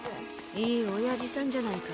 いいおやじさんじゃないか。